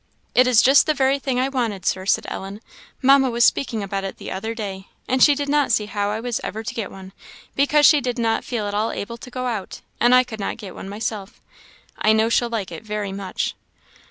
"It is just the very thing I wanted, Sir," said Ellen; "Mamma was speaking about it the other day, and she did not see how I was ever to get one, because she did not feel at all able to go out, and I could not get one myself; I know she'll like it very much."